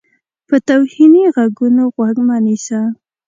په توهیني غږونو غوږ مه نیسه.